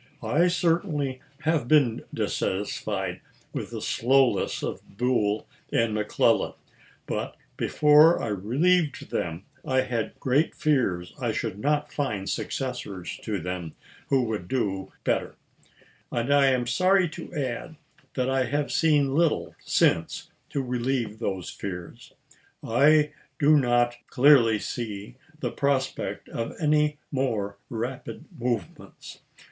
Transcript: I certainly have been dissatisfied with the slowness of Buell and McClellan j but before I re lieved them I had great fears I should not find successors to them who would do better ; and I am sorry to add that I have seen little since to relieve those fears. I do not clearly see the prospect of any more rapid movements.